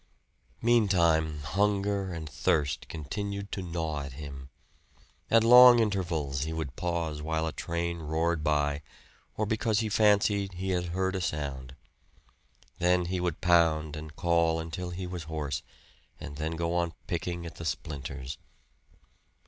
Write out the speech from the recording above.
Meantime hunger and thirst continued to gnaw at him. At long intervals he would pause while a train roared by, or because he fancied he had heard a sound. Then he would pound and call until he was hoarse, and then go on picking at the splinters.